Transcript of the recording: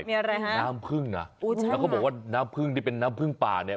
มีอะไรฮะอูชังนะน้ำพึ่งน่ะแล้วก็บอกว่าน้ำพึ่งที่เป็นน้ำพึ่งป่าเนี่ย